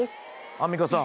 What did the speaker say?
アンミカさん。